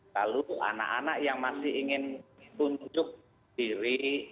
lalu anak anak yang masih ingin tunjuk diri